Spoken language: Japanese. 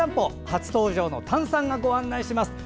初登場の丹さんがご案内します。